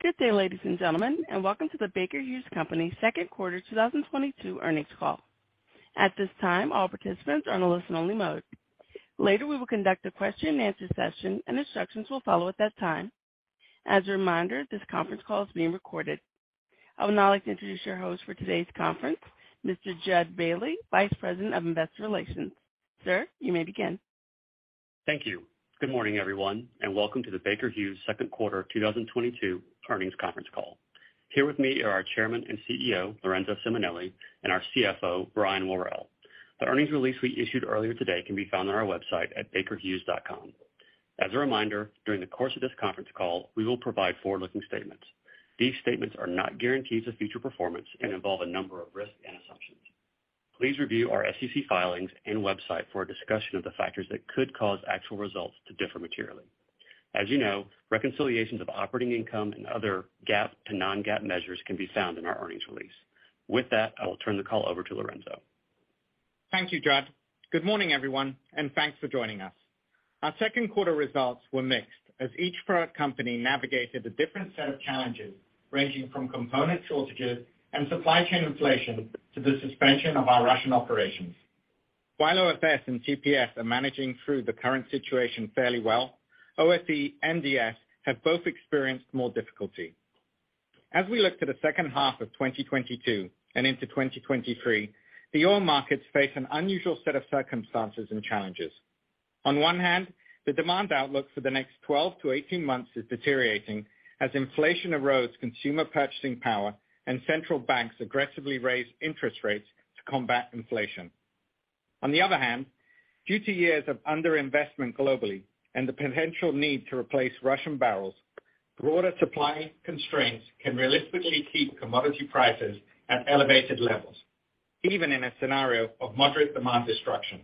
Good day, ladies and gentlemen, and welcome to the Baker Hughes Company second quarter 2022 earnings call. At this time, all participants are on a listen only mode. Later, we will conduct a question and answer session and instructions will follow at that time. As a reminder, this conference call is being recorded. I would now like to introduce your host for today's conference, Mr. Jud Bailey, Vice President of Investor Relations. Sir, you may begin. Thank you. Good morning, everyone, and welcome to the Baker Hughes second quarter 2022 earnings conference call. Here with me are our Chairman and CEO, Lorenzo Simonelli, and our CFO, Brian Worrell. The earnings release we issued earlier today can be found on our website at bakerhughes.com. As a reminder, during the course of this conference call, we will provide forward-looking statements. These statements are not guarantees of future performance and involve a number of risks and assumptions. Please review our SEC filings and website for a discussion of the factors that could cause actual results to differ materially. As you know, reconciliations of operating income and other GAAP to non-GAAP measures can be found in our earnings release. With that, I will turn the call over to Lorenzo. Thank you, Jud. Good morning, everyone, and thanks for joining us. Our second quarter results were mixed as each product company navigated a different set of challenges, ranging from component shortages and supply chain inflation to the suspension of our Russian operations. While OFS and TPS are managing through the current situation fairly well, OFE and DS have both experienced more difficulty. As we look to the second half of 2022 and into 2023, the oil markets face an unusual set of circumstances and challenges. On one hand, the demand outlook for the next 12-18 months is deteriorating as inflation erodes consumer purchasing power and central banks aggressively raise interest rates to combat inflation. On the other hand, due to years of under-investment globally and the potential need to replace Russian barrels, broader supply constraints can realistically keep commodity prices at elevated levels, even in a scenario of moderate demand destruction.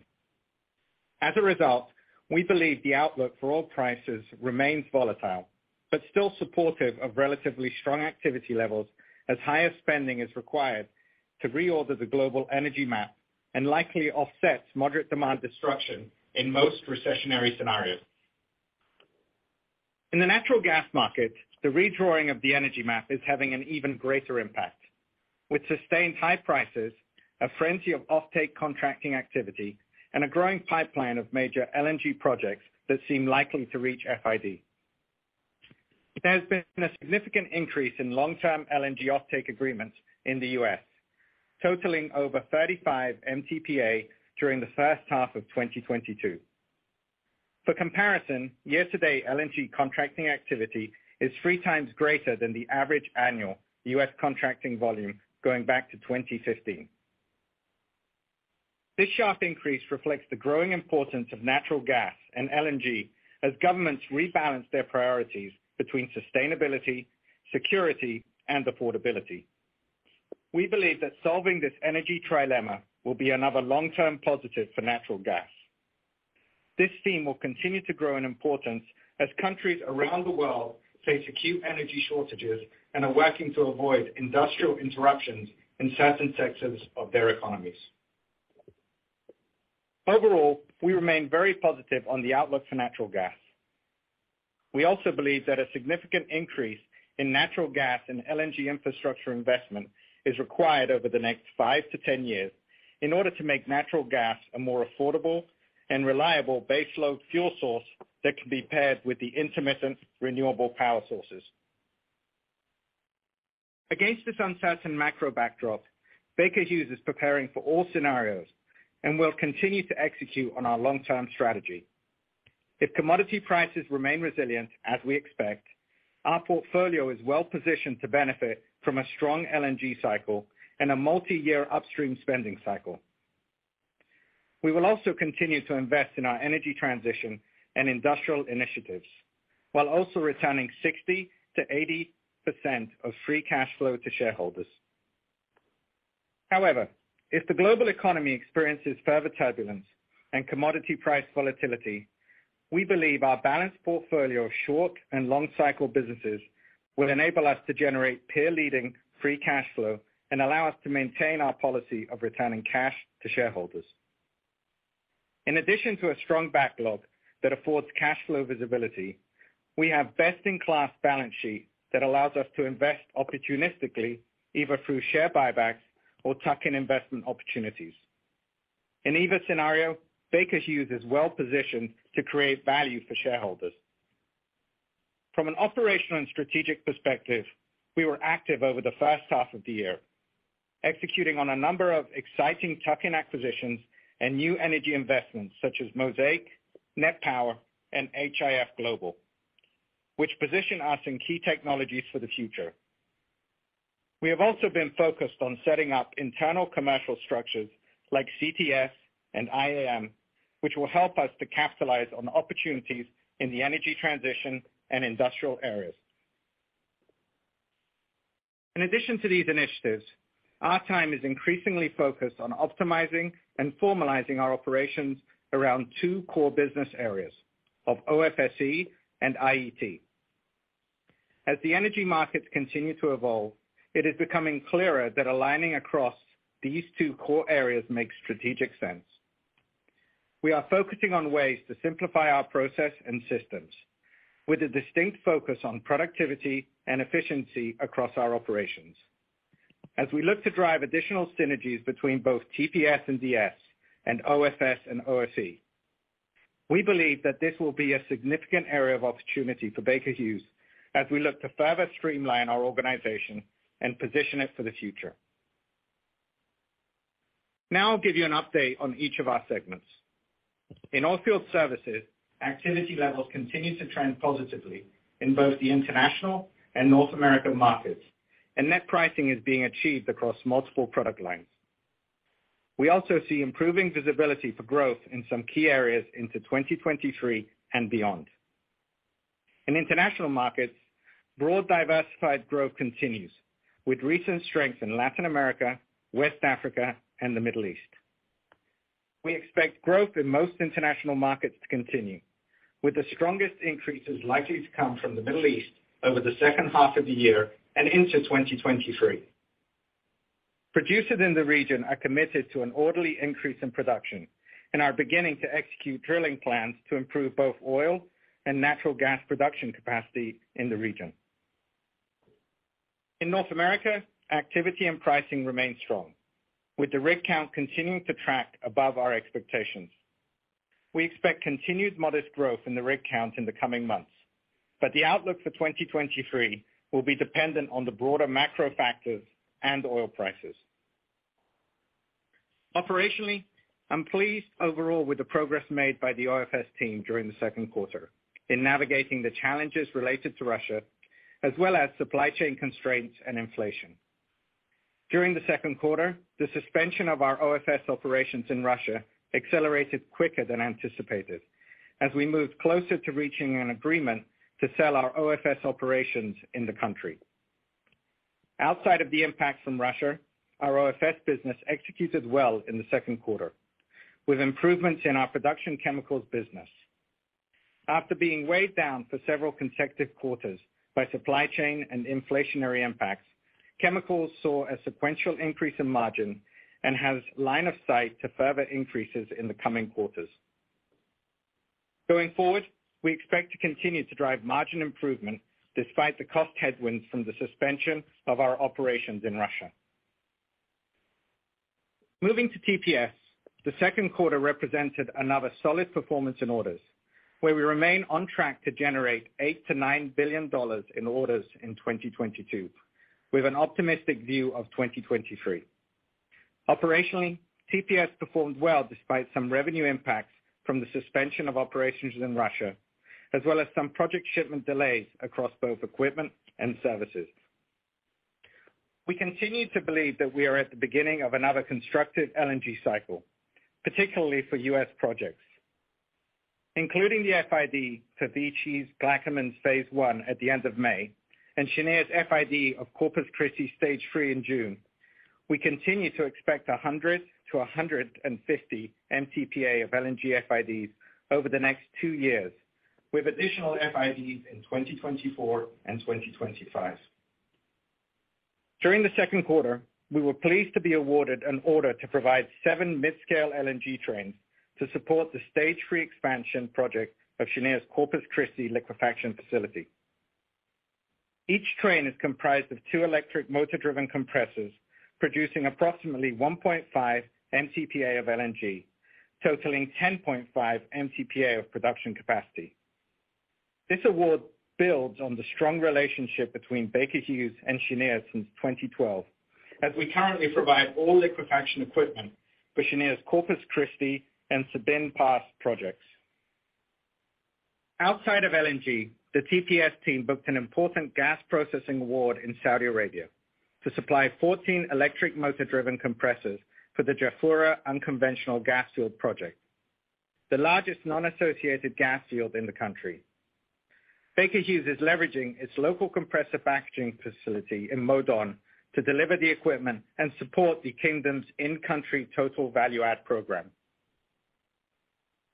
As a result, we believe the outlook for oil prices remains volatile but still supportive of relatively strong activity levels as higher spending is required to reorder the global energy map and likely offset moderate demand destruction in most recessionary scenarios. In the natural gas market, the redrawing of the energy map is having an even greater impact, with sustained high prices, a frenzy of offtake contracting activity, and a growing pipeline of major LNG projects that seem likely to reach FID, there has been a significant increase in long-term LNG offtake agreements in the U.S., totaling over 35 MTPA during the first half of 2022. For comparison, year-to-date LNG contracting activity is 3 times greater than the average annual U.S. contracting volume going back to 2015. This sharp increase reflects the growing importance of natural gas and LNG as governments rebalance their priorities between sustainability, security, and affordability. We believe that solving this energy trilemma will be another long-term positive for natural gas. This theme will continue to grow in importance as countries around the world face acute energy shortages and are working to avoid industrial interruptions in certain sectors of their economies. Overall, we remain very positive on the outlook for natural gas. We also believe that a significant increase in natural gas and LNG infrastructure investment is required over the next 5 to 10 years in order to make natural gas a more affordable and reliable baseload fuel source that can be paired with the intermittent renewable power sources. Against this uncertain macro backdrop, Baker Hughes is preparing for all scenarios and will continue to execute on our long-term strategy. If commodity prices remain resilient, as we expect, our portfolio is well-positioned to benefit from a strong LNG cycle and a multi-year upstream spending cycle. We will also continue to invest in our energy transition and industrial initiatives, while also returning 60%-80% of free cash flow to shareholders. However, if the global economy experiences further turbulence and commodity price volatility, we believe our balanced portfolio of short and long cycle businesses will enable us to generate peer-leading free cash flow and allow us to maintain our policy of returning cash to shareholders. In addition to a strong backlog that affords cash flow visibility, we have best-in-class balance sheet that allows us to invest opportunistically, either through share buybacks or tuck-in investment opportunities. In either scenario, Baker Hughes is well-positioned to create value for shareholders. From an operational and strategic perspective, we were active over the first half of the year, executing on a number of exciting tuck-in acquisitions and new energy investments such as Mosaic, NET Power and HIF Global, which position us in key technologies for the future. We have also been focused on setting up internal commercial structures like CTS and IAM, which will help us to capitalize on opportunities in the energy transition and industrial areas. In addition to these initiatives, our time is increasingly focused on optimizing and formalizing our operations around two core business areas of OFS and IET. As the energy markets continue to evolve, it is becoming clearer that aligning across these two core areas makes strategic sense. We are focusing on ways to simplify our process and systems with a distinct focus on productivity and efficiency across our operations. As we look to drive additional synergies between both TPS and DS and OFS and OFE, we believe that this will be a significant area of opportunity for Baker Hughes as we look to further streamline our organization and position it for the future. Now I'll give you an update on each of our segments. In Oilfield Services, activity levels continue to trend positively in both the international and North American markets, and net pricing is being achieved across multiple product lines. We also see improving visibility for growth in some key areas into 2023 and beyond. In international markets, broad diversified growth continues, with recent strength in Latin America, West Africa, and the Middle East. We expect growth in most international markets to continue, with the strongest increases likely to come from the Middle East over the second half of the year and into 2023. Producers in the region are committed to an orderly increase in production and are beginning to execute drilling plans to improve both oil and natural gas production capacity in the region. In North America, activity and pricing remain strong, with the rig count continuing to track above our expectations. We expect continued modest growth in the rig count in the coming months, but the outlook for 2023 will be dependent on the broader macro factors and oil prices. Operationally, I'm pleased overall with the progress made by the OFS team during the second quarter in navigating the challenges related to Russia, as well as supply chain constraints and inflation. During the second quarter, the suspension of our OFS operations in Russia accelerated quicker than anticipated as we moved closer to reaching an agreement to sell our OFS operations in the country. Outside of the impact from Russia, our OFS business executed well in the second quarter, with improvements in our production chemicals business. After being weighed down for several consecutive quarters by supply chain and inflationary impacts, chemicals saw a sequential increase in margin and has line of sight to further increases in the coming quarters. Going forward, we expect to continue to drive margin improvement despite the cost headwinds from the suspension of our operations in Russia. Moving to TPS, the second quarter represented another solid performance in orders, where we remain on track to generate $8 billion-$9 billion in orders in 2022, with an optimistic view of 2023. Operationally, TPS performed well despite some revenue impacts from the suspension of operations in Russia, as well as some project shipment delays across both equipment and services. We continue to believe that we are at the beginning of another constructive LNG cycle, particularly for U.S. projects. Including the FID to Venture Global's Plaquemines Phase One at the end of May and Cheniere's FID of Corpus Christi Stage Three in June, we continue to expect 100-150 MTPA of LNG FIDs over the next two years, with additional FIDs in 2024 and 2025. During the second quarter, we were pleased to be awarded an order to provide 7 mid-scale LNG trains to support the stage three expansion project of Cheniere's Corpus Christi liquefaction facility. Each train is comprised of 2 electric motor-driven compressors producing approximately 1.5 MTPA of LNG, totaling 10.5 MTPA of production capacity. This award builds on the strong relationship between Baker Hughes and Cheniere since 2012, as we currently provide all liquefaction equipment for Cheniere's Corpus Christi and Sabine Pass projects. Outside of LNG, the TPS team booked an important gas processing award in Saudi Arabia to supply 14 electric motor-driven compressors for the Jafurah unconventional gas field project, the largest non-associated gas field in the country. Baker Hughes is leveraging its local compressor packaging facility in Modon to deliver the equipment and support the kingdom's in-country total value add program.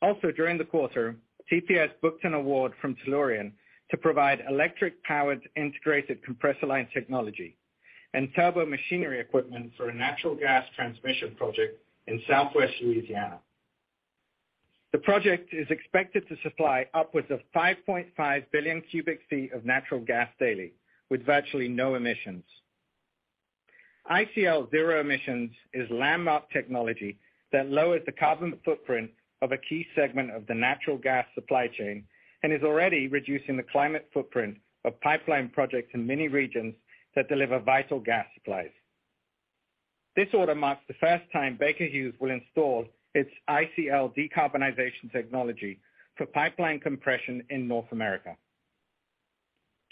Also during the quarter, TPS booked an award from Tellurian to provide electric powered integrated compressor line technology and turbomachinery equipment for a natural gas transmission project in Southwest Louisiana. The project is expected to supply upwards of 5.5 billion cubic feet of natural gas daily with virtually no emissions. ICL zero-emissions is landmark technology that lowers the carbon footprint of a key segment of the natural gas supply chain and is already reducing the climate footprint of pipeline projects in many regions that deliver vital gas supplies. This order marks the first time Baker Hughes will install its ICL decarbonization technology for pipeline compression in North America.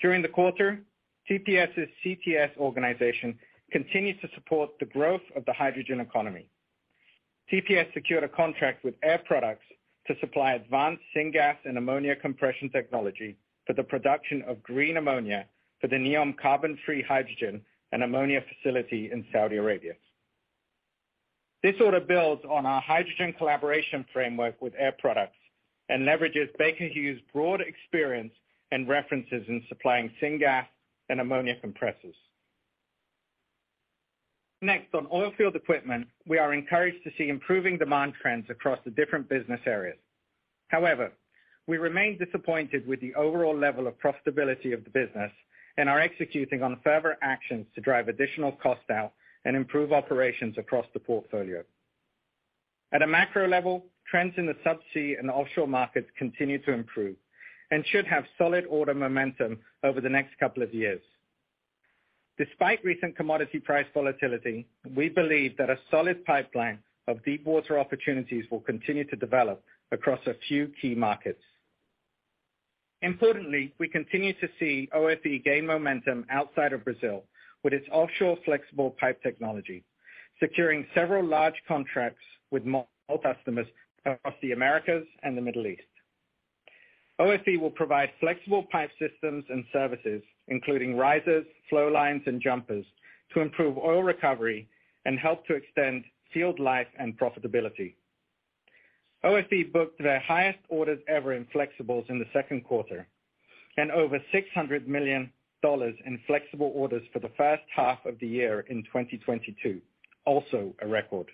During the quarter, TPS' CTS organization continued to support the growth of the hydrogen economy. TPS secured a contract with Air Products to supply advanced syngas and ammonia compression technology for the production of green ammonia for the NEOM carbon-free hydrogen and ammonia facility in Saudi Arabia. This order builds on our hydrogen collaboration framework with Air Products and leverages Baker Hughes' broad experience and references in supplying syngas and ammonia compressors. Next, on oilfield equipment, we are encouraged to see improving demand trends across the different business areas. However, we remain disappointed with the overall level of profitability of the business and are executing on further actions to drive additional cost out and improve operations across the portfolio. At a macro level, trends in the subsea and offshore markets continue to improve and should have solid order momentum over the next couple of years. Despite recent commodity price volatility, we believe that a solid pipeline of deep water opportunities will continue to develop across a few key markets. Importantly, we continue to see OFE gain momentum outside of Brazil with its offshore flexible pipe technology, securing several large contracts with major customers across the Americas and the Middle East. OFE will provide flexible pipe systems and services, including risers, flow lines, and jumpers to improve oil recovery and help to extend field life and profitability. OFE booked their highest orders ever in flexibles in the second quarter, and over $600 million in flexible orders for the first half of the year in 2022, also a record.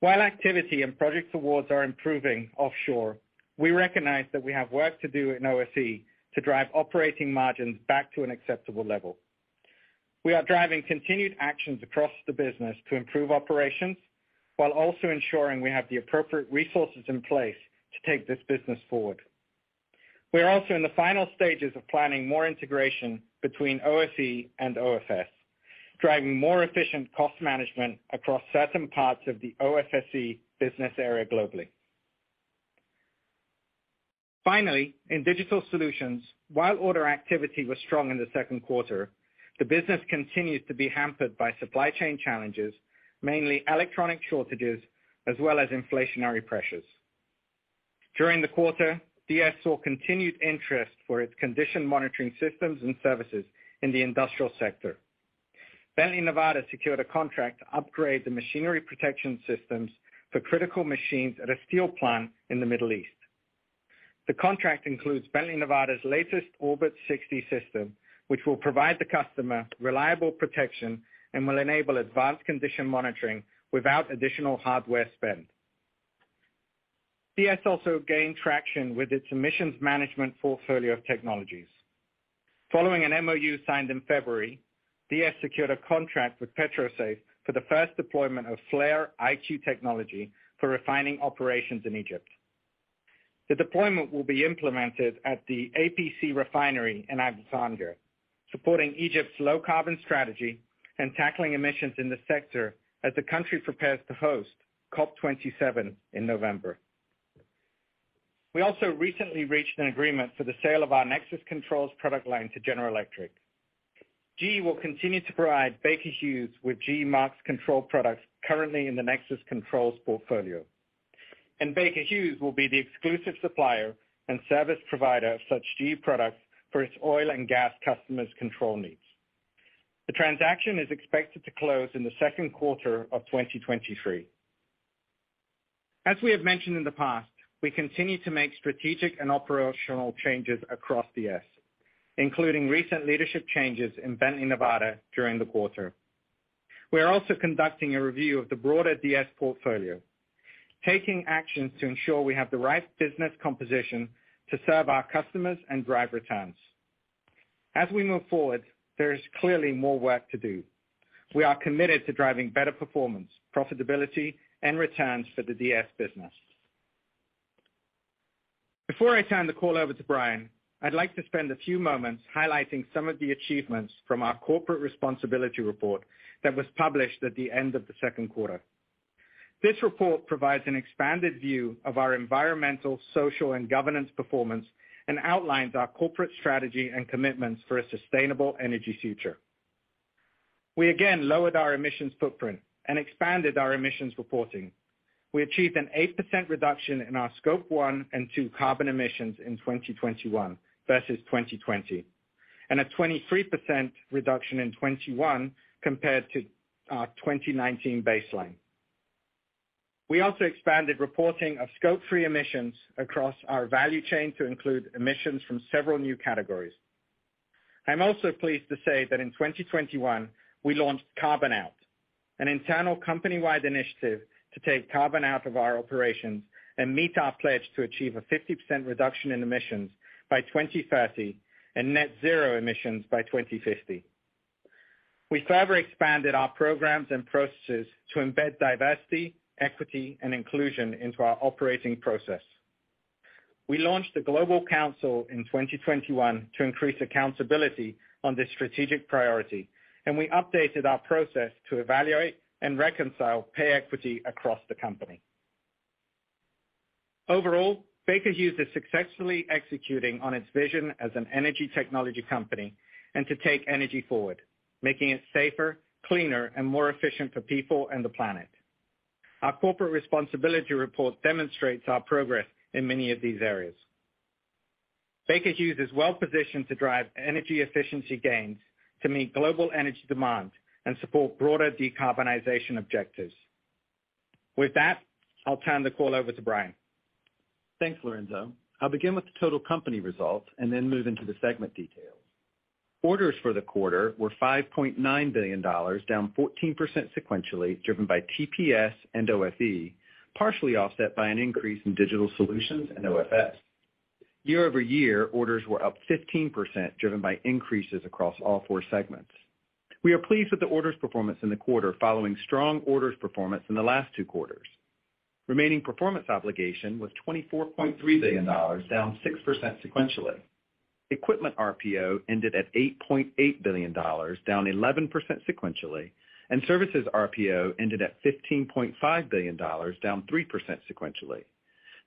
While activity and project awards are improving offshore, we recognize that we have work to do in OFE to drive operating margins back to an acceptable level. We are driving continued actions across the business to improve operations while also ensuring we have the appropriate resources in place to take this business forward. We are also in the final stages of planning more integration between OFE and OFS, driving more efficient cost management across certain parts of the OFSE business area globally. Finally, in Digital Solutions, while order activity was strong in the second quarter, the business continues to be hampered by supply chain challenges, mainly electronic shortages, as well as inflationary pressures. During the quarter, DS saw continued interest for its condition monitoring systems and services in the industrial sector. Bently Nevada secured a contract to upgrade the machinery protection systems for critical machines at a steel plant in the Middle East. The contract includes Bently Nevada's latest Orbit 60 system, which will provide the customer reliable protection and will enable advanced condition monitoring without additional hardware spend. DS also gained traction with its emissions management portfolio of technologies. Following an MOU signed in February, DS secured a contract with PetroSafe for the first deployment of flare. IQ technology for refining operations in Egypt. The deployment will be implemented at the APC Refinery in Alexandria, supporting Egypt's low carbon strategy and tackling emissions in the sector as the country prepares to host COP27 in November. We also recently reached an agreement for the sale of our Nexus Controls product line to General Electric. GE will continue to provide Baker Hughes with GE Mark VIe control products currently in the Nexus Controls portfolio. Baker Hughes will be the exclusive supplier and service provider of such GE products for its oil and gas customers' control needs. The transaction is expected to close in the second quarter of 2023. As we have mentioned in the past, we continue to make strategic and operational changes across DS, including recent leadership changes in Bently Nevada during the quarter. We are also conducting a review of the broader DS portfolio, taking actions to ensure we have the right business composition to serve our customers and drive returns. As we move forward, there is clearly more work to do. We are committed to driving better performance, profitability, and returns for the DS business. Before I turn the call over to Brian, I'd like to spend a few moments highlighting some of the achievements from our corporate responsibility report that was published at the end of the second quarter. This report provides an expanded view of our environmental, social, and governance performance and outlines our corporate strategy and commitments for a sustainable energy future. We again lowered our emissions footprint and expanded our emissions reporting. We achieved an 8% reduction in our scope one and two carbon emissions in 2021 versus 2020, and a 23% reduction in 2021 compared to our 2019 baseline. We also expanded reporting of scope three emissions across our value chain to include emissions from several new categories. I'm also pleased to say that in 2021, we launched Carbon Out, an internal company-wide initiative to take carbon out of our operations and meet our pledge to achieve a 50% reduction in emissions by 2030 and net zero emissions by 2050. We further expanded our programs and processes to embed diversity, equity, and inclusion into our operating process. We launched the Global Council in 2021 to increase accountability on this strategic priority, and we updated our process to evaluate and reconcile pay equity across the company. Overall, Baker Hughes is successfully executing on its vision as an energy technology company and to take energy forward, making it safer, cleaner, and more efficient for people and the planet. Our corporate responsibility report demonstrates our progress in many of these areas. Baker Hughes is well-positioned to drive energy efficiency gains to meet global energy demand and support broader decarbonization objectives. With that, I'll turn the call over to Brian. Thanks, Lorenzo. I'll begin with the total company results and then move into the segment details. Orders for the quarter were $5.9 billion, down 14% sequentially, driven by TPS and OFE, partially offset by an increase in Digital Solutions and OFS. Year-over-year, orders were up 15%, driven by increases across all four segments. We are pleased with the orders performance in the quarter following strong orders performance in the last two quarters. Remaining performance obligation was $24.3 billion, down 6% sequentially. Equipment RPO ended at $8.8 billion, down 11% sequentially, and services RPO ended at $15.5 billion, down 3% sequentially.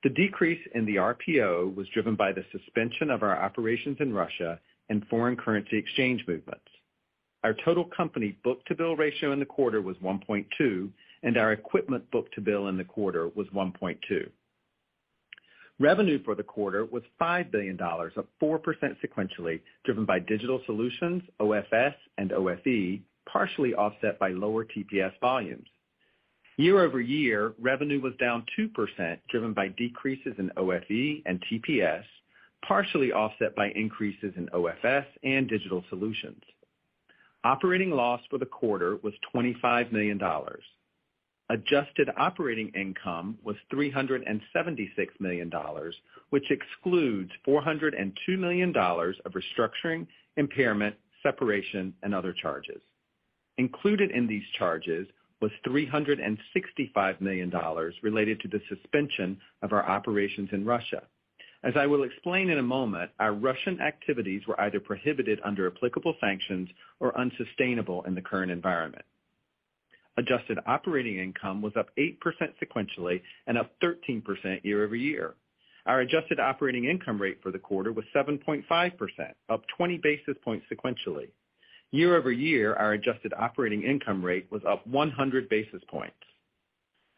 The decrease in the RPO was driven by the suspension of our operations in Russia and foreign currency exchange movements. Our total company book-to-bill ratio in the quarter was 1.2, and our equipment book-to-bill in the quarter was 1.2. Revenue for the quarter was $5 billion, up 4% sequentially, driven by digital solutions, OFS and OFE, partially offset by lower TPS volumes. Year-over-year, revenue was down 2%, driven by decreases in OFE and TPS, partially offset by increases in OFS and digital solutions. Operating loss for the quarter was $25 million. Adjusted operating income was $376 million, which excludes $402 million of restructuring, impairment, separation, and other charges. Included in these charges was $365 million related to the suspension of our operations in Russia. As I will explain in a moment, our Russian activities were either prohibited under applicable sanctions or unsustainable in the current environment. Adjusted operating income was up 8% sequentially and up 13% year-over-year. Our adjusted operating income rate for the quarter was 7.5%, up 20 basis points sequentially. Year-over-year, our adjusted operating income rate was up 100 basis points.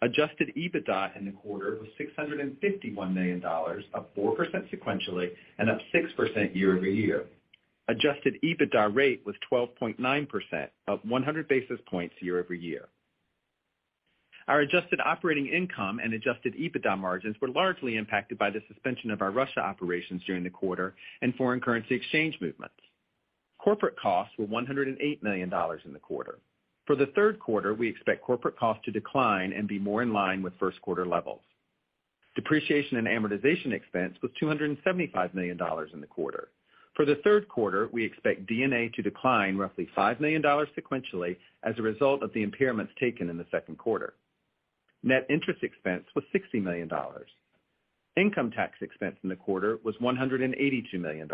Adjusted EBITDA in the quarter was $651 million, up 4% sequentially and up 6% year-over-year. Adjusted EBITDA rate was 12.9%, up 100 basis points year-over-year. Our adjusted operating income and adjusted EBITDA margins were largely impacted by the suspension of our Russia operations during the quarter and foreign currency exchange movements. Corporate costs were $108 million in the quarter. For the third quarter, we expect corporate costs to decline and be more in line with first quarter levels. Depreciation and amortization expense was $275 million in the quarter. For the third quarter, we expect D&A to decline roughly $5 million sequentially as a result of the impairments taken in the second quarter. Net interest expense was $60 million. Income tax expense in the quarter was $182 million.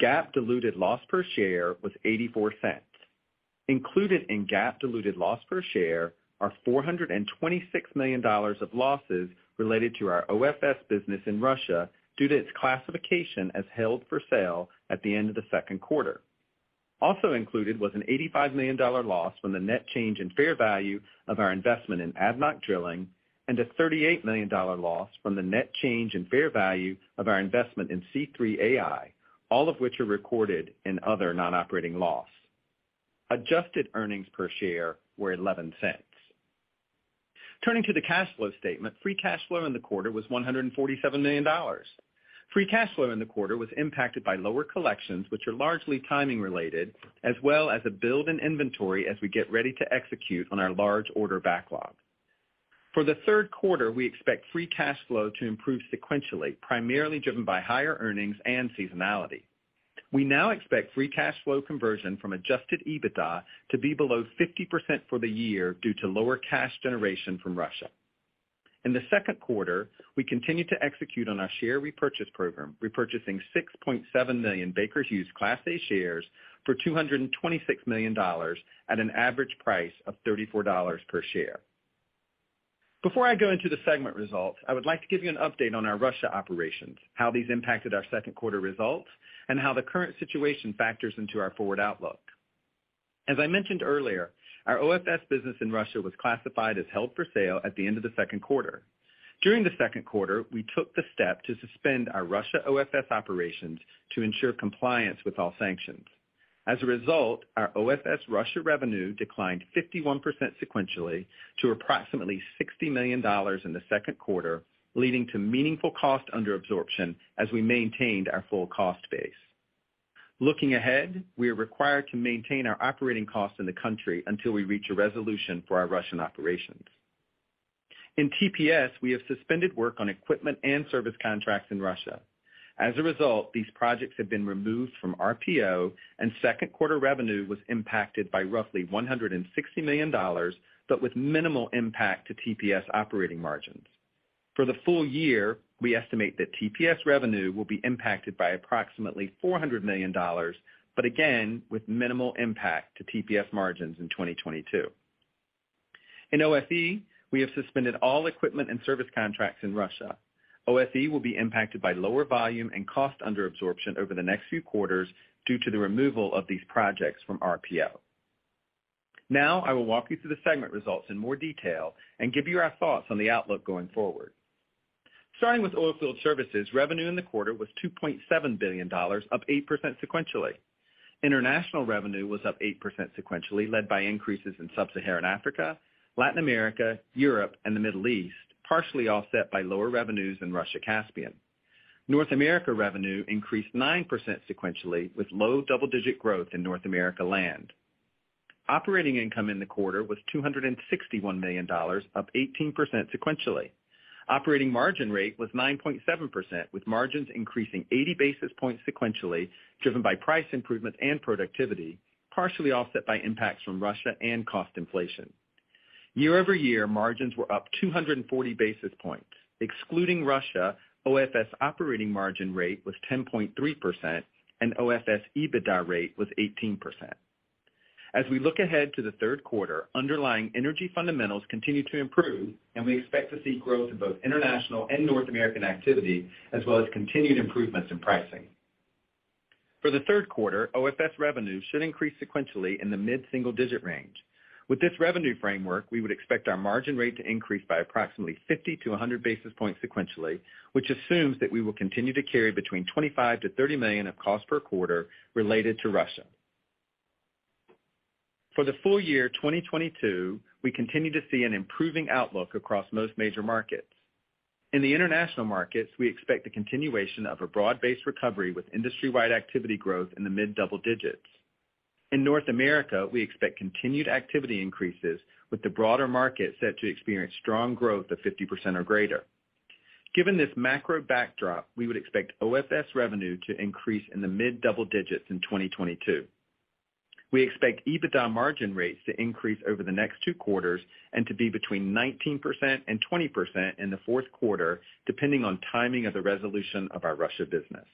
GAAP diluted loss per share was $0.84. Included in GAAP diluted loss per share are $426 million of losses related to our OFS business in Russia due to its classification as held for sale at the end of the second quarter. Also included was an $85 million loss from the net change in fair value of our investment in ADNOC Drilling and a $38 million loss from the net change in fair value of our investment in C3 AI, all of which are recorded in other non-operating loss. Adjusted earnings per share were $0.11. Turning to the cash flow statement, free cash flow in the quarter was $147 million. Free cash flow in the quarter was impacted by lower collections, which are largely timing related, as well as a build in inventory as we get ready to execute on our large order backlog. For the third quarter, we expect free cash flow to improve sequentially, primarily driven by higher earnings and seasonality. We now expect free cash flow conversion from adjusted EBITDA to be below 50% for the year due to lower cash generation from Russia. In the second quarter, we continued to execute on our share repurchase program, repurchasing 6.7 million Baker Hughes Class A shares for $226 million at an average price of $34 per share. Before I go into the segment results, I would like to give you an update on our Russia operations, how these impacted our second quarter results, and how the current situation factors into our forward outlook. As I mentioned earlier, our OFS business in Russia was classified as held for sale at the end of the second quarter. During the second quarter, we took the step to suspend our Russia OFS operations to ensure compliance with all sanctions. As a result, our OFS Russia revenue declined 51% sequentially to approximately $60 million in the second quarter, leading to meaningful cost under absorption as we maintained our full cost base. Looking ahead, we are required to maintain our operating costs in the country until we reach a resolution for our Russian operations. In TPS, we have suspended work on equipment and service contracts in Russia. As a result, these projects have been removed from RPO, and second quarter revenue was impacted by roughly $160 million, but with minimal impact to TPS operating margins. For the full year, we estimate that TPS revenue will be impacted by approximately $400 million, but again, with minimal impact to TPS margins in 2022. In OFE, we have suspended all equipment and service contracts in Russia. OFE will be impacted by lower volume and cost under absorption over the next few quarters due to the removal of these projects from RPO. Now I will walk you through the segment results in more detail and give you our thoughts on the outlook going forward. Starting with Oilfield Services, revenue in the quarter was $2.7 billion, up 8% sequentially. International revenue was up 8% sequentially, led by increases in Sub-Saharan Africa, Latin America, Europe, and the Middle East, partially offset by lower revenues in Russia Caspian. North America revenue increased 9% sequentially, with low double-digit growth in North America land. Operating income in the quarter was $261 million, up 18% sequentially. Operating margin rate was 9.7%, with margins increasing 80 basis points sequentially, driven by price improvements and productivity, partially offset by impacts from Russia and cost inflation. Year over year, margins were up 240 basis points. Excluding Russia, OFS operating margin rate was 10.3% and OFS EBITDA rate was 18%. As we look ahead to the third quarter, underlying energy fundamentals continue to improve, and we expect to see growth in both international and North American activity, as well as continued improvements in pricing. For the third quarter, OFS revenue should increase sequentially in the mid-single digit range. With this revenue framework, we would expect our margin rate to increase by approximately 50-100 basis points sequentially, which assumes that we will continue to carry between $25-$30 million of cost per quarter related to Russia. For the full year 2022, we continue to see an improving outlook across most major markets. In the international markets, we expect the continuation of a broad-based recovery with industry-wide activity growth in the mid double digits. In North America, we expect continued activity increases, with the broader market set to experience strong growth of 50% or greater. Given this macro backdrop, we would expect OFS revenue to increase in the mid double digits in 2022. We expect EBITDA margin rates to increase over the next two quarters and to be between 19% and 20% in the fourth quarter, depending on timing of the resolution of our Russia business.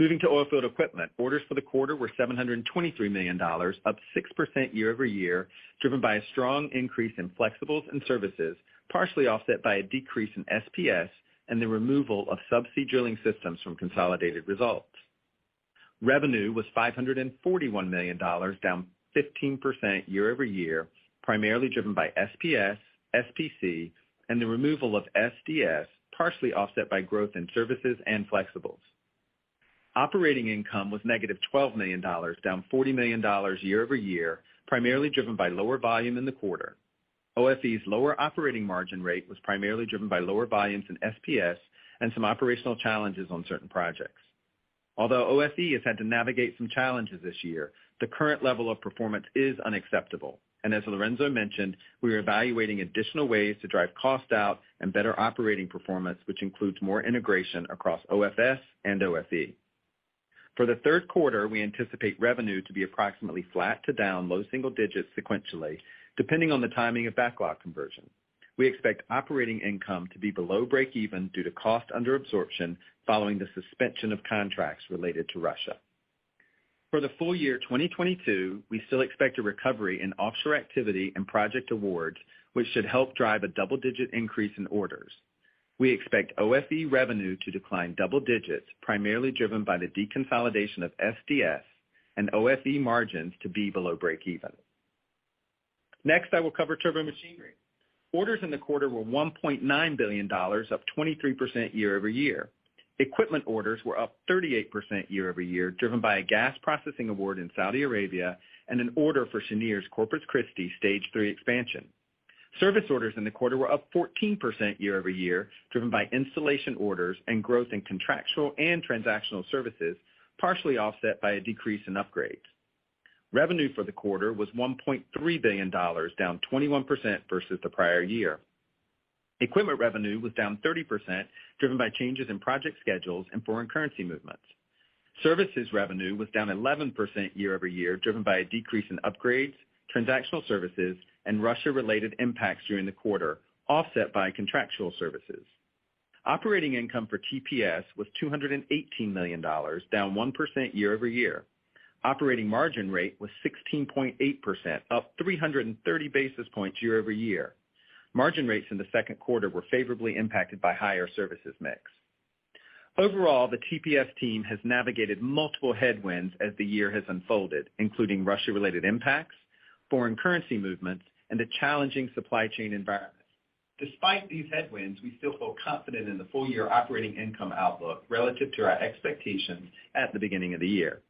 Moving to Oilfield Equipment. Orders for the quarter were $723 million, up 6% year-over-year, driven by a strong increase in flexibles and services, partially offset by a decrease in SPS and the removal of subsea drilling systems from consolidated results. Revenue was $541 million, down 15% year-over-year, primarily driven by SPS, SPC, and the removal of SDS, partially offset by growth in services and flexibles. Operating income was -$12 million, down $40 million year-over-year, primarily driven by lower volume in the quarter. OFE's lower operating margin rate was primarily driven by lower volumes in SPS and some operational challenges on certain projects. Although OFE has had to navigate some challenges this year, the current level of performance is unacceptable. As Lorenzo mentioned, we are evaluating additional ways to drive cost out and better operating performance, which includes more integration across OFS and OFE. For the third quarter, we anticipate revenue to be approximately flat to down low single digits sequentially, depending on the timing of backlog conversion. We expect operating income to be below breakeven due to cost under absorption following the suspension of contracts related to Russia. For the full year 2022, we still expect a recovery in offshore activity and project awards, which should help drive a double-digit increase in orders. We expect OFE revenue to decline double digits, primarily driven by the deconsolidation of SDS and OFE margins to be below breakeven. Next, I will cover Turbomachinery. Orders in the quarter were $1.9 billion, up 23% year-over-year. Equipment orders were up 38% year-over-year, driven by a gas processing award in Saudi Arabia and an order for Cheniere's Corpus Christi stage three expansion. Service orders in the quarter were up 14% year-over-year, driven by installation orders and growth in contractual and transactional services, partially offset by a decrease in upgrades. Revenue for the quarter was $1.3 billion, down 21% versus the prior year. Equipment revenue was down 30%, driven by changes in project schedules and foreign currency movements. Services revenue was down 11% year-over-year, driven by a decrease in upgrades, transactional services, and Russia-related impacts during the quarter, offset by contractual services. Operating income for TPS was $218 million, down 1% year-over-year. Operating margin rate was 16.8%, up 330 basis points year-over-year. Margin rates in the second quarter were favorably impacted by higher services mix. Overall, the TPS team has navigated multiple headwinds as the year has unfolded, including Russia-related impacts, foreign currency movements, and a challenging supply chain environment. Despite these headwinds, we still feel confident in the full-year operating income outlook relative to our expectations at the beginning of the year.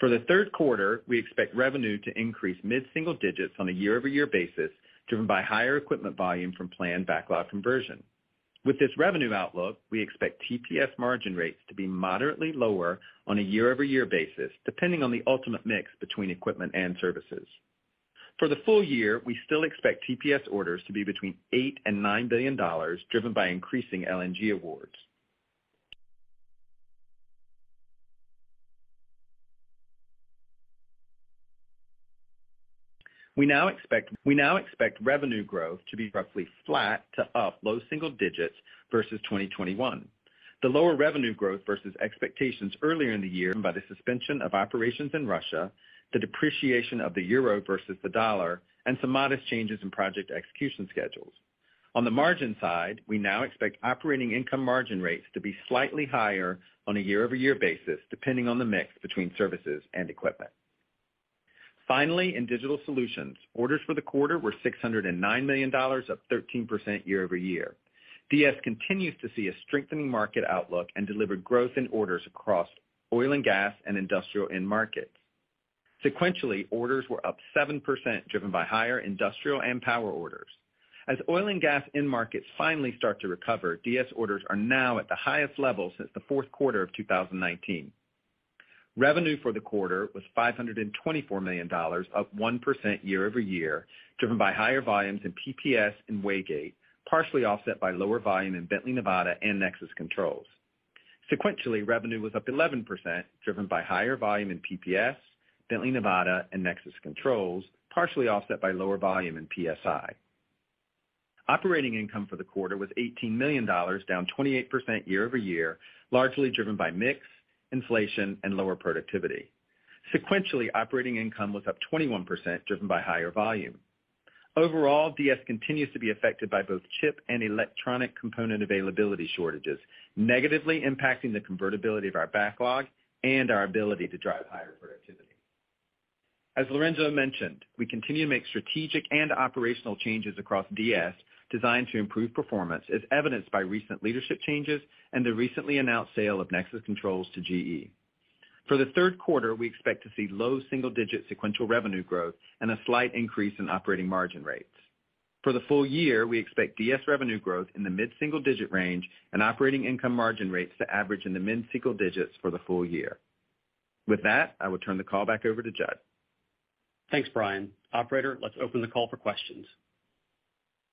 For the third quarter, we expect revenue to increase mid-single digits on a year-over-year basis, driven by higher equipment volume from planned backlog conversion. With this revenue outlook, we expect TPS margin rates to be moderately lower on a year-over-year basis, depending on the ultimate mix between equipment and services. For the full year, we still expect TPS orders to be between $8 billion and $9 billion, driven by increasing LNG awards. We now expect revenue growth to be roughly flat to up low single digits% versus 2021. The lower revenue growth versus expectations earlier in the year by the suspension of operations in Russia, the depreciation of the euro versus the dollar, and some modest changes in project execution schedules. On the margin side, we now expect operating income margin rates to be slightly higher on a year-over-year basis, depending on the mix between services and equipment. Finally, in digital solutions, orders for the quarter were $609 million, up 13% year-over-year. DS continues to see a strengthening market outlook and delivered growth in orders across oil and gas and industrial end markets. Sequentially, orders were up 7% driven by higher industrial and power orders. As oil and gas end markets finally start to recover, DS orders are now at the highest level since the fourth quarter of 2019. Revenue for the quarter was $524 million, up 1% year-over-year, driven by higher volumes in PPS and Waygate, partially offset by lower volume in Bently Nevada and Nexus Controls. Sequentially, revenue was up 11%, driven by higher volume in PPS, Bently Nevada, and Nexus Controls, partially offset by lower volume in PSI. Operating income for the quarter was $18 million, down 28% year-over-year, largely driven by mix, inflation, and lower productivity. Sequentially, operating income was up 21% driven by higher volume. Overall, DS continues to be affected by both chip and electronic component availability shortages, negatively impacting the convertibility of our backlog and our ability to drive higher productivity. As Lorenzo mentioned, we continue to make strategic and operational changes across DS designed to improve performance, as evidenced by recent leadership changes and the recently announced sale of Nexus Controls to GE. For the third quarter, we expect to see low single-digit sequential revenue growth and a slight increase in operating margin rates. For the full year, we expect DS revenue growth in the mid single-digit range and operating income margin rates to average in the mid single digits for the full year. With that, I will turn the call back over to Jud. Thanks, Brian. Operator, let's open the call for questions.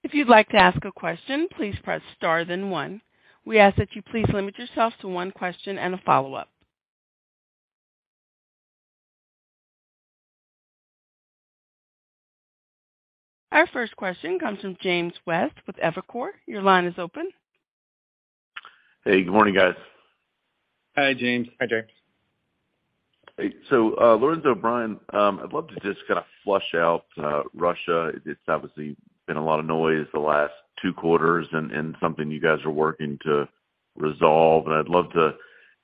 If you'd like to ask a question, please press star then one. We ask that you please limit yourself to one question and a follow-up. Our first question comes from James West with Evercore ISI. Your line is open. Hey, good morning, guys. Hi, James. Hey. Lorenzo, Brian, I'd love to just kind of flesh out Russia. It's obviously been a lot of noise the last two quarters and something you guys are working to resolve, and I'd love to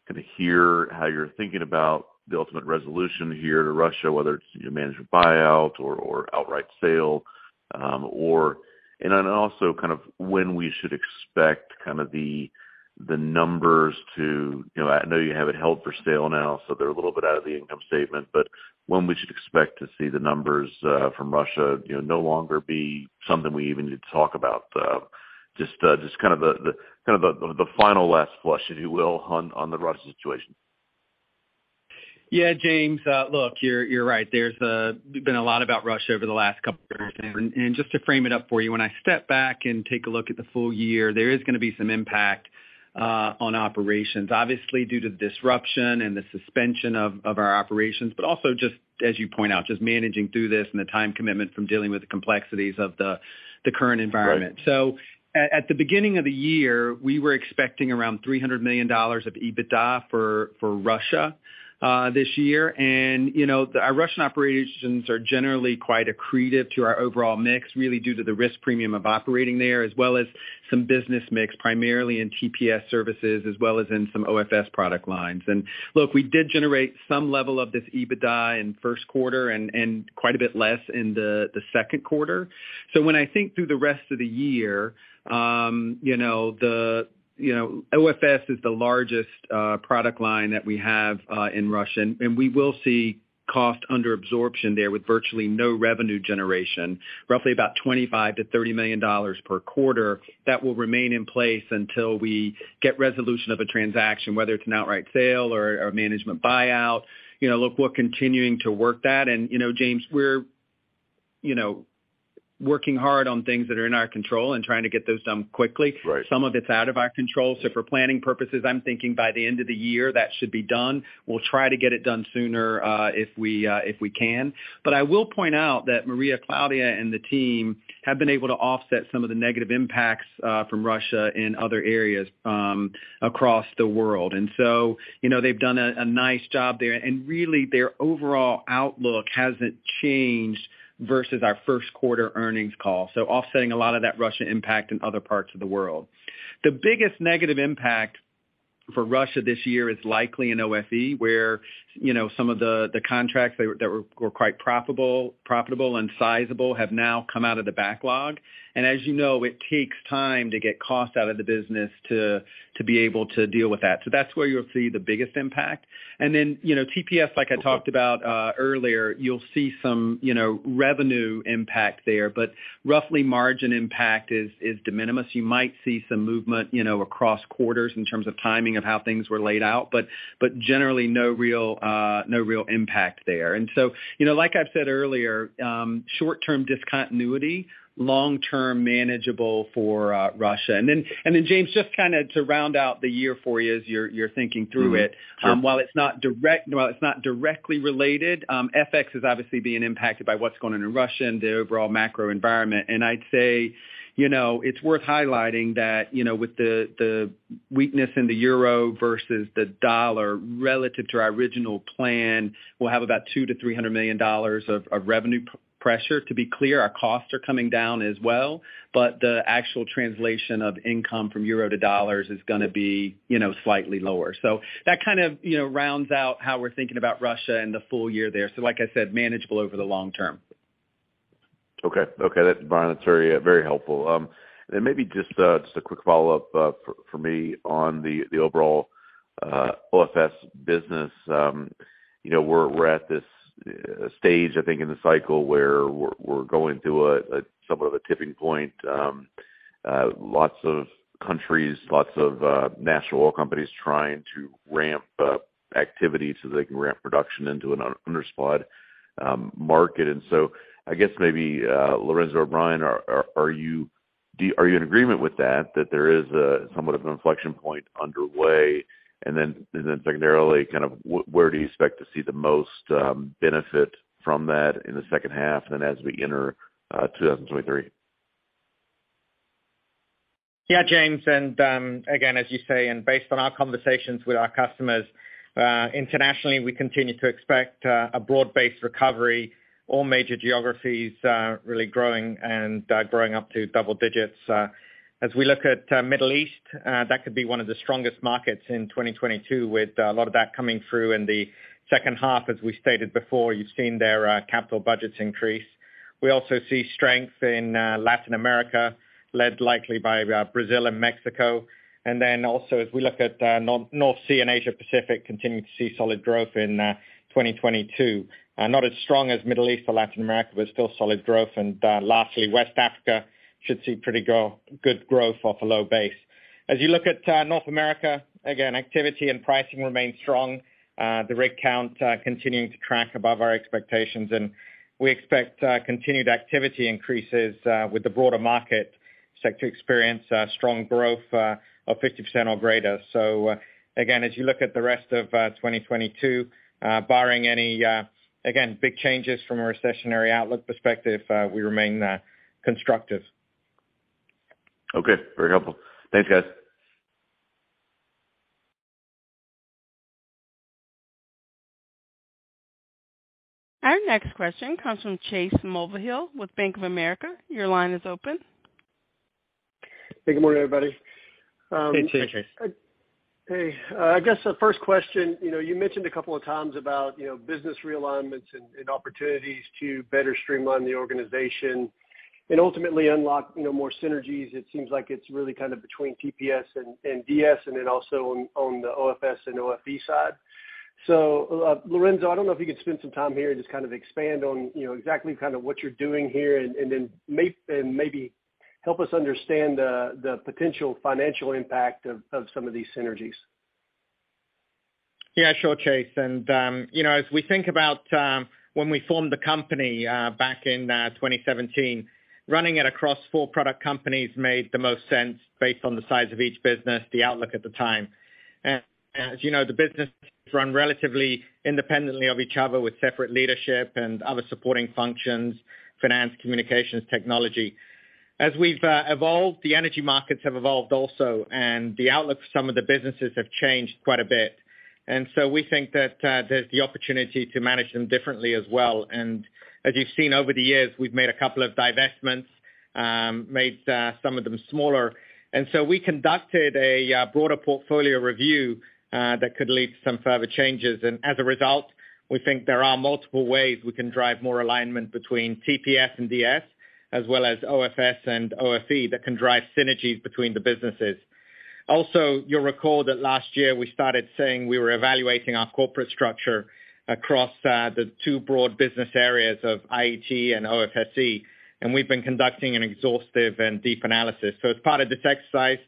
kinda hear how you're thinking about the ultimate resolution here to Russia, whether it's a management buyout or outright sale. Then also kind of when we should expect kind of the numbers to, you know, I know you have it held for sale now, so they're a little bit out of the income statement, but when we should expect to see the numbers from Russia, you know, no longer be something we even need to talk about. Just kind of the final last flesh out, if you will, on the Russia situation. Yeah. James, look, you're right. There's been a lot about Russia over the last couple of quarters. Just to frame it up for you, when I step back and take a look at the full year, there is gonna be some impact on operations, obviously due to the disruption and the suspension of our operations, but also just as you point out, just managing through this and the time commitment from dealing with the complexities of the current environment. Right. At the beginning of the year, we were expecting around $300 million of EBITDA for Russia this year. You know, our Russian operations are generally quite accretive to our overall mix, really due to the risk premium of operating there, as well as some business mix, primarily in TPS services as well as in some OFS product lines. Look, we did generate some level of this EBITDA in first quarter and quite a bit less in the second quarter. When I think through the rest of the year, you know, you know, OFS is the largest product line that we have in Russia, and we will see cost under absorption there with virtually no revenue generation, roughly about $25 million-$30 million per quarter that will remain in place until we get resolution of a transaction, whether it's an outright sale or a management buyout. You know, look, we're continuing to work that. You know, James, we're working hard on things that are in our control and trying to get those done quickly. Right. Some of it's out of our control. For planning purposes, I'm thinking by the end of the year that should be done. We'll try to get it done sooner, if we can. I will point out that Maria Claudia and the team have been able to offset some of the negative impacts from Russia in other areas across the world. You know, they've done a nice job there, and really, their overall outlook hasn't changed versus our first quarter earnings call. Offsetting a lot of that Russia impact in other parts of the world. The biggest negative impact for Russia this year is likely in OFE, where you know, some of the contracts that were quite profitable and sizable have now come out of the backlog. As you know, it takes time to get cost out of the business to be able to deal with that. That's where you'll see the biggest impact. Then, you know, TPS, like I talked about earlier, you'll see some, you know, revenue impact there, but roughly margin impact is de minimis. You might see some movement, you know, across quarters in terms of timing of how things were laid out, but generally no real impact there. You know, like I've said earlier, short-term discontinuity, long-term manageable for Russia. Then, James, just kinda to round out the year for you as you're thinking through it. Mm-hmm. Sure. While it's not directly related, FX is obviously being impacted by what's going on in Russia and the overall macro environment. I'd say, you know, it's worth highlighting that, you know, with the weakness in the euro versus the dollar relative to our original plan, we'll have about $200 million-$300 million of revenue pressure. To be clear, our costs are coming down as well, but the actual translation of income from euro to dollars is gonna be, you know, slightly lower. That kind of rounds out how we're thinking about Russia and the full year there. Like I said, manageable over the long term. Okay. That's Brian. That's very, very helpful. Maybe just a quick follow-up for me on the overall OFS business. You know, we're at this stage, I think, in the cycle where we're going through a somewhat of a tipping point. Lots of countries, lots of national oil companies trying to ramp up activity so they can ramp production into an undersupplied market. I guess maybe, Lorenzo or Brian, are you in agreement with that there is a somewhat of an inflection point underway? Secondarily, kind of where do you expect to see the most benefit from that in the second half then as we enter 2023? Yeah, James, again, as you say, based on our conversations with our customers internationally, we continue to expect a broad-based recovery. All major geographies really growing up to double digits. As we look at Middle East, that could be one of the strongest markets in 2022 with a lot of that coming through in the second half, as we stated before. You've seen their capital budgets increase. We also see strength in Latin America, led likely by Brazil and Mexico. As we look at North Sea and Asia Pacific, continuing to see solid growth in 2022. Not as strong as Middle East or Latin America, but still solid growth. Lastly, West Africa should see good growth off a low base. As you look at North America, again, activity and pricing remain strong. The rig count continuing to track above our expectations. We expect continued activity increases with the broader market set to experience strong growth of 50% or greater. Again, as you look at the rest of 2022, barring any big changes from a recessionary outlook perspective, we remain constructive. Okay, very helpful. Thanks, guys. Our next question comes from Chase Mulvehill with Bank of America. Your line is open. Hey, good morning, everybody. Hey, Chase. Hey. I guess the first question, you know, you mentioned a couple of times about, you know, business realignments and opportunities to better streamline the organization and ultimately unlock, you know, more synergies. It seems like it's really kind of between TPS and DS and then also on the OFS and OFE side. Lorenzo, I don't know if you could spend some time here and just kind of expand on, you know, exactly kind of what you're doing here and then maybe help us understand the potential financial impact of some of these synergies. Yeah, sure, Chase. You know, as we think about when we formed the company back in 2017, running it across four product companies made the most sense based on the size of each business, the outlook at the time. As you know, the business run relatively independently of each other with separate leadership and other supporting functions, finance, communications, technology. As we've evolved, the energy markets have evolved also, and the outlook for some of the businesses have changed quite a bit. We think that there's the opportunity to manage them differently as well. As you've seen over the years, we've made a couple of divestments, made some of them smaller. We conducted a broader portfolio review that could lead to some further changes. As a result, we think there are multiple ways we can drive more alignment between TPS and DS, as well as OFS and OFE that can drive synergies between the businesses. Also, you'll recall that last year we started saying we were evaluating our corporate structure across, the two broad business areas of IET and OFSE, and we've been conducting an exhaustive and deep analysis. As part of this exercise,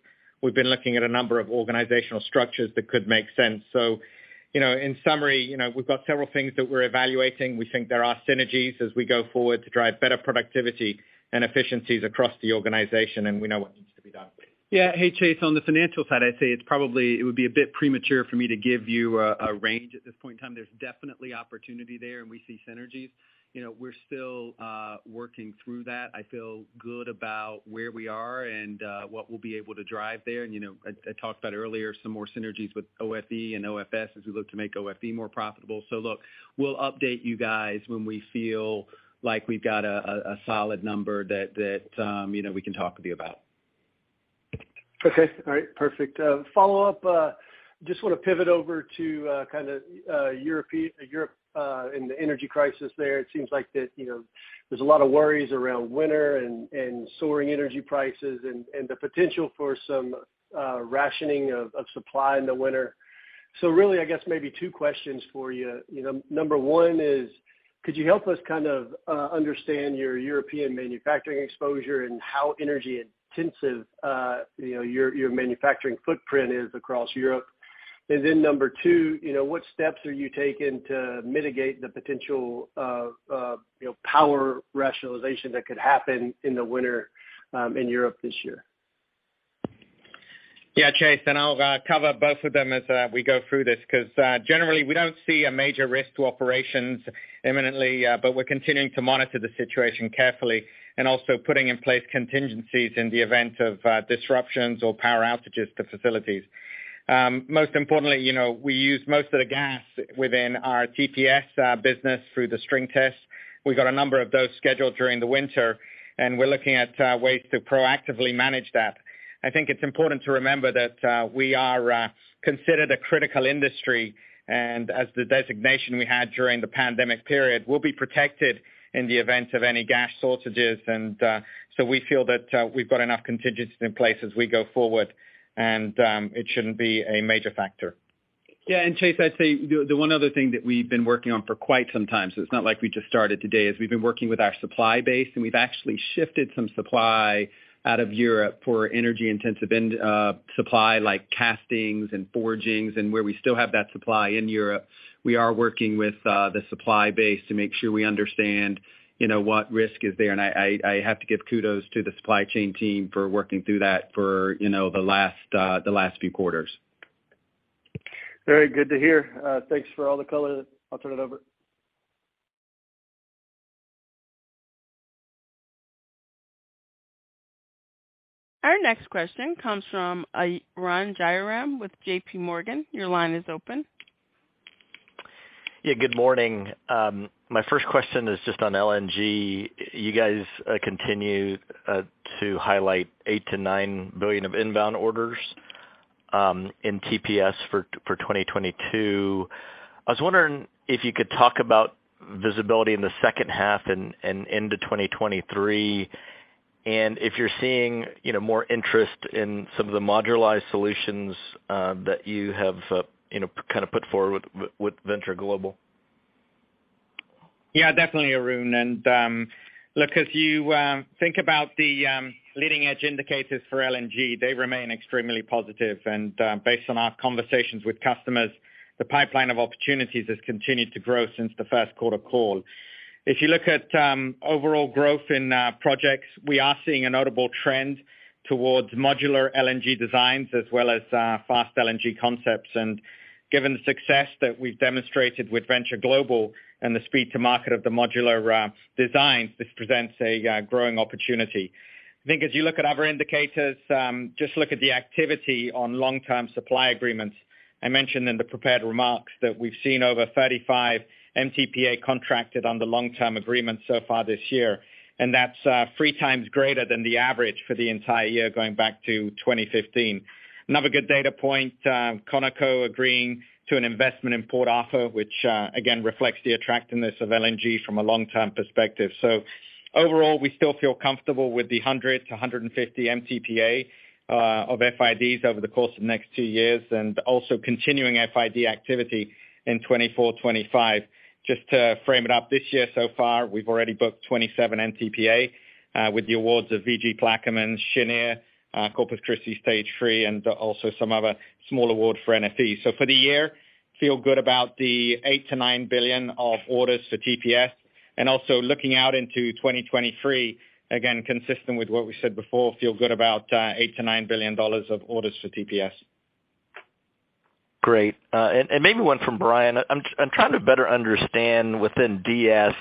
we've been looking at a number of organizational structures that could make sense. You know, in summary, you know, we've got several things that we're evaluating. We think there are synergies as we go forward to drive better productivity and efficiencies across the organization, and we know what needs to be done. Hey, Chase, on the financial side, I'd say it's probably it would be a bit premature for me to give you a range at this point in time. There's definitely opportunity there and we see synergies. You know, we're still working through that. I feel good about where we are and what we'll be able to drive there. You know, I talked about earlier some more synergies with OFE and OFS as we look to make OFE more profitable. Look, we'll update you guys when we feel like we've got a solid number that you know we can talk with you about. Okay. All right. Perfect. Follow up, just wanna pivot over to kinda Europe and the energy crisis there. It seems like that, you know, there's a lot of worries around winter and soaring energy prices and the potential for some rationing of supply in the winter. Really, I guess maybe two questions for you. You know, number one is, could you help us kind of understand your European manufacturing exposure and how energy intensive, you know, your manufacturing footprint is across Europe? Then number two, you know, what steps are you taking to mitigate the potential, you know, power rationing that could happen in the winter in Europe this year? Chase, I'll cover both of them as we go through this because generally we don't see a major risk to operations imminently, but we're continuing to monitor the situation carefully and also putting in place contingencies in the event of disruptions or power outages to facilities. Most importantly, you know, we use most of the gas within our TPS business through the string test. We've got a number of those scheduled during the winter, and we're looking at ways to proactively manage that. I think it's important to remember that we are considered a critical industry, and as the designation we had during the pandemic period, we'll be protected in the event of any gas shortages. We feel that we've got enough contingencies in place as we go forward, and it shouldn't be a major factor. Yeah, Chase, I'd say the one other thing that we've been working on for quite some time, so it's not like we just started today, is we've been working with our supply base, and we've actually shifted some supply out of Europe for energy-intensive end, supply like castings and forgings. Where we still have that supply in Europe, we are working with the supply base to make sure we understand, you know, what risk is there. I have to give kudos to the supply chain team for working through that for, you know, the last few quarters. Very good to hear. Thanks for all the color. I'll turn it over. Our next question comes from Arun Jayaram with JP Morgan. Your line is open. Yeah, good morning. My first question is just on LNG. You guys continue to highlight $8 billion-$9 billion of inbound orders in TPS for 2022. I was wondering if you could talk about visibility in the second half and into 2023. If you're seeing, you know, more interest in some of the modularized solutions that you have, you know, kind of put forward with Venture Global. Yeah, definitely, Arun. Look, as you think about the leading edge indicators for LNG, they remain extremely positive. Based on our conversations with customers, the pipeline of opportunities has continued to grow since the first quarter call. If you look at overall growth in projects, we are seeing a notable trend towards modular LNG designs as well as fast LNG concepts. Given the success that we've demonstrated with Venture Global and the speed to market of the modular designs, this presents a growing opportunity. I think as you look at other indicators, just look at the activity on long-term supply agreements. I mentioned in the prepared remarks that we've seen over 35 MTPA contracted on the long-term agreement so far this year, and that's three times greater than the average for the entire year going back to 2015. Another good data point, ConocoPhillips agreeing to an investment in Port Arthur, which again reflects the attractiveness of LNG from a long-term perspective. Overall, we still feel comfortable with the 100-150 MTPA of FIDs over the course of the next two years, and also continuing FID activity in 2024, 2025. Just to frame it up, this year so far, we've already booked 27 MTPA with the awards of VG Plaquemines, Cheniere, Corpus Christi Stage 3, and also some other small award for NFE. For the year, feel good about the $8 billion-$9 billion of orders for TPS. Also looking out into 2023, again, consistent with what we said before, feel good about $8 billion-$9 billion of orders for TPS. Great. Maybe one from Brian. I'm trying to better understand within DS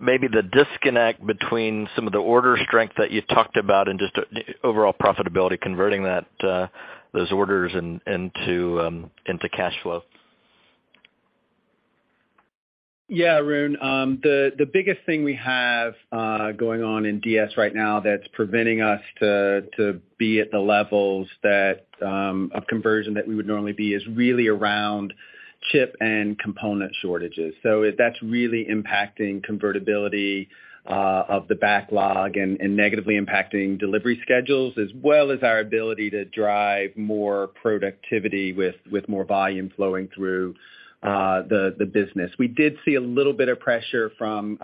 maybe the disconnect between some of the order strength that you talked about and just overall profitability, converting those orders into cash flow. Yeah, Arun. The biggest thing we have going on in DS right now that's preventing us to be at the levels that of conversion that we would normally be is really around chip and component shortages. That's really impacting convertibility of the backlog and negatively impacting delivery schedules, as well as our ability to drive more productivity with more volume flowing through the business. We did see a little bit of pressure from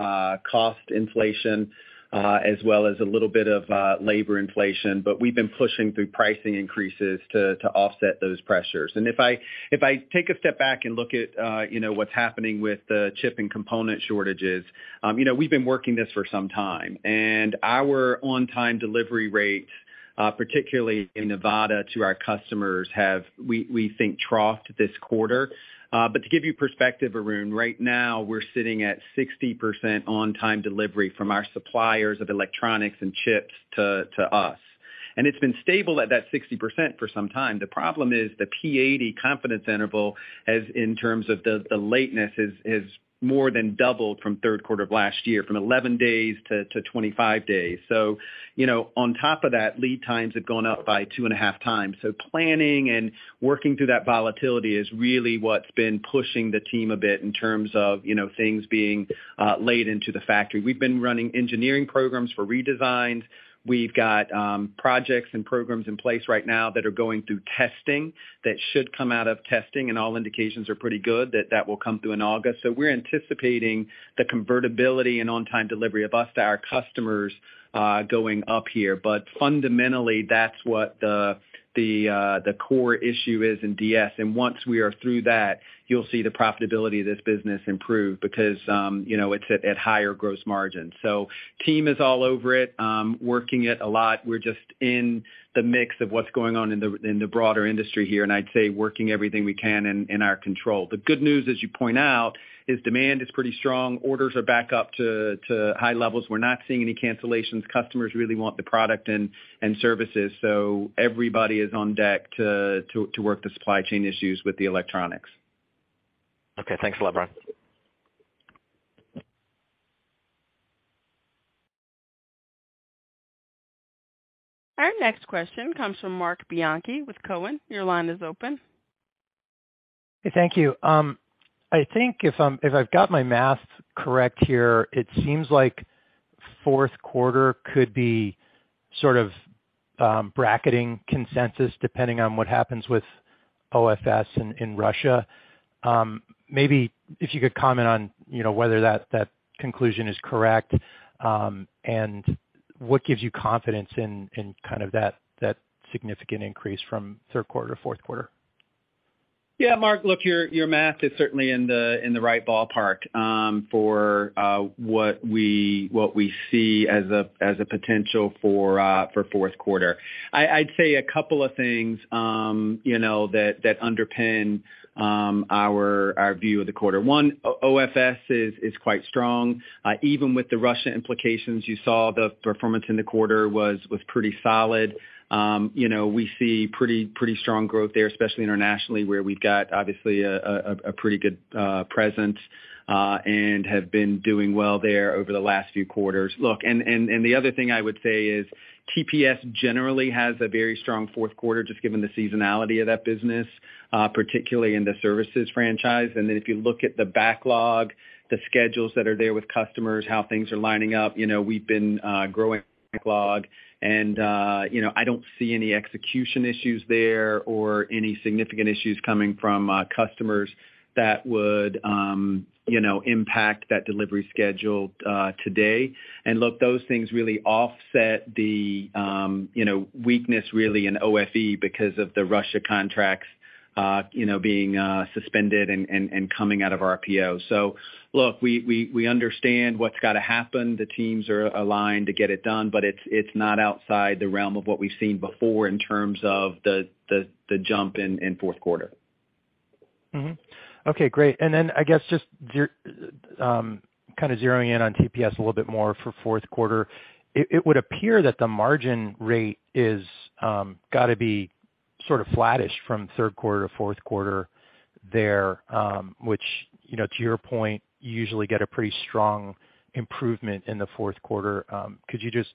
cost inflation, as well as a little bit of labor inflation, but we've been pushing through pricing increases to offset those pressures. If I take a step back and look at you know what's happening with the chip and component shortages, you know we've been working this for some time. Our on-time delivery rates, particularly in Bently Nevada to our customers, have we think troughed this quarter. But to give you perspective, Arun, right now we're sitting at 60% on-time delivery from our suppliers of electronics and chips to us. It's been stable at that 60% for some time. The problem is the P80 confidence interval has, in terms of the lateness, more than doubled from third quarter of last year, from 11 days to 25 days. You know, on top of that, lead times have gone up by 2.5 times. Planning and working through that volatility is really what's been pushing the team a bit in terms of, you know, things being laid into the factory. We've been running engineering programs for redesigns. We've got projects and programs in place right now that are going through testing, that should come out of testing, and all indications are pretty good that that will come through in August. We're anticipating the convertibility and on-time delivery from us to our customers going up here. Fundamentally, that's what the core issue is in DS. Once we are through that, you'll see the profitability of this business improve because, you know, it's at higher gross margin. Team is all over it, working it a lot. We're just in the mix of what's going on in the broader industry here, and I'd say working everything we can in our control. The good news, as you point out, is demand is pretty strong. Orders are back up to high levels. We're not seeing any cancellations. Customers really want the product and services. Everybody is on deck to work the supply chain issues with the electronics. Okay. Thanks a lot, Brian. Our next question comes from Marc Bianchi with Cowen. Your line is open. Thank you. I think if I've got my math correct here, it seems like fourth quarter could be sort of bracketing consensus depending on what happens with OFS in Russia. Maybe if you could comment on, you know, whether that conclusion is correct, and what gives you confidence in kind of that significant increase from third quarter to fourth quarter? Yeah. Marc, look, your math is certainly in the right ballpark for what we see as a potential for fourth quarter. I'd say a couple of things, you know, that underpin our view of the quarter. One, OFSE is quite strong. Even with the Russia implications, you saw the performance in the quarter was pretty solid. You know, we see pretty strong growth there, especially internationally, where we've got obviously a pretty good presence and have been doing well there over the last few quarters. Look, the other thing I would say is TPS generally has a very strong fourth quarter just given the seasonality of that business, particularly in the services franchise. If you look at the backlog, the schedules that are there with customers, how things are lining up, you know, we've been growing backlog and, you know, I don't see any execution issues there or any significant issues coming from customers that would, you know, impact that delivery schedule today. Look, those things really offset the, you know, weakness really in OFE because of the Russia contracts, you know, being suspended and coming out of RPO. Look, we understand what's got to happen. The teams are aligned to get it done, but it's not outside the realm of what we've seen before in terms of the jump in fourth quarter. Mm-hmm. Okay, great. Then I guess just kind of zeroing in on TPS a little bit more for fourth quarter, it would appear that the margin rate is got to be sort of flattish from third quarter to fourth quarter there, which, you know, to your point, you usually get a pretty strong improvement in the fourth quarter. Could you just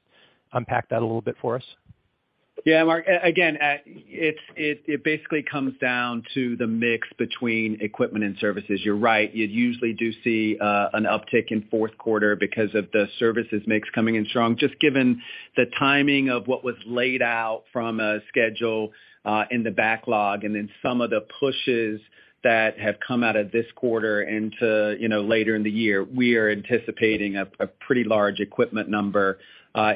unpack that a little bit for us? Yeah, Mark. It basically comes down to the mix between equipment and services. You're right. You usually do see an uptick in fourth quarter because of the services mix coming in strong. Just given the timing of what was laid out from a schedule in the backlog and then some of the pushes that have come out of this quarter into, you know, later in the year, we are anticipating a pretty large equipment number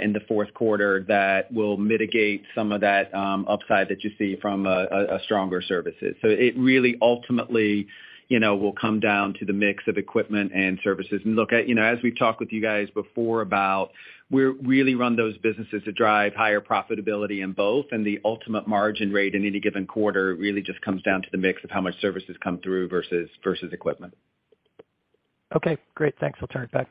in the fourth quarter that will mitigate some of that upside that you see from a stronger services. It really ultimately, you know, will come down to the mix of equipment and services. Look, you know, as we've talked with you guys before about, we really run those businesses to drive higher profitability in both, and the ultimate margin rate in any given quarter really just comes down to the mix of how much services come through versus equipment. Okay, great. Thanks. I'll turn it back.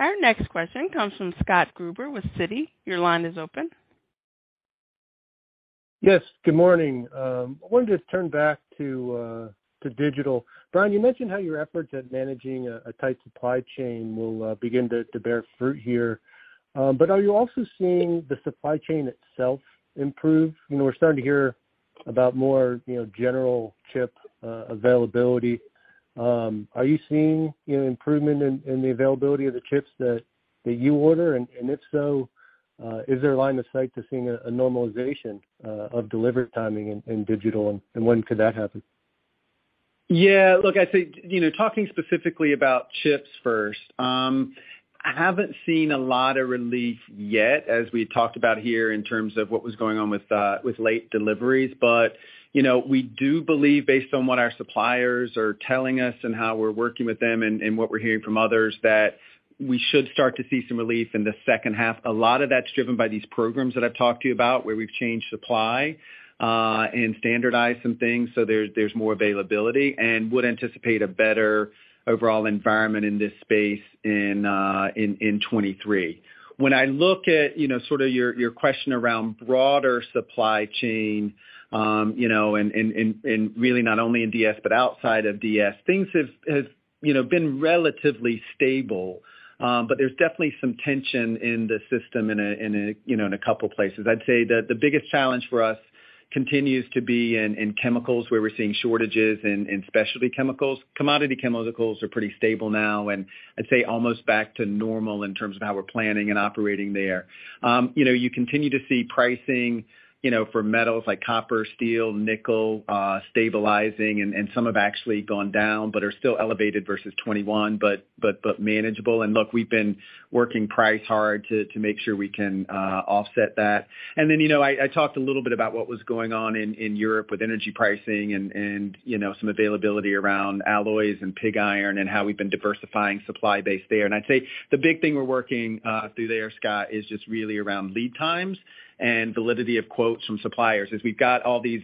Our next question comes from Scott Gruber with Citi. Your line is open. Yes, good morning. I wanted to turn back to digital. Brian, you mentioned how your efforts at managing a tight supply chain will begin to bear fruit here. But are you also seeing the supply chain itself improve? You know, we're starting to hear about more general chip availability. Are you seeing improvement in the availability of the chips that you order? And if so, is there a line of sight to seeing a normalization of delivery timing in digital? And when could that happen? Yeah. Look, I'd say, you know, talking specifically about chips first, I haven't seen a lot of relief yet as we talked about here in terms of what was going on with with late deliveries. You know, we do believe based on what our suppliers are telling us and how we're working with them and what we're hearing from others, that we should start to see some relief in the second half. A lot of that's driven by these programs that I've talked to you about, where we've changed supply and standardized some things so there's more availability and would anticipate a better overall environment in this space in 2023. When I look at, you know, sort of your question around broader supply chain, you know, and really not only in DS, but outside of DS, things have, you know, been relatively stable. But there's definitely some tension in the system in a, you know, in a couple places. I'd say that the biggest challenge for us continues to be in chemicals, where we're seeing shortages in specialty chemicals. Commodity chemicals are pretty stable now, and I'd say almost back to normal in terms of how we're planning and operating there. You continue to see pricing, you know, for metals like copper, steel, nickel, stabilizing, and some have actually gone down but are still elevated versus 2021, but manageable. Look, we've been working hard to price to make sure we can offset that. Then, you know, I talked a little bit about what was going on in Europe with energy pricing and, you know, some availability around alloys and pig iron and how we've been diversifying supply base there. I'd say the big thing we're working through there, Scott, is just really around lead times and validity of quotes from suppliers. As we've got all these,